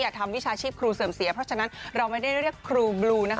ทำวิชาชีพครูเสื่อมเสียเพราะฉะนั้นเราไม่ได้เรียกครูบลูนะคะ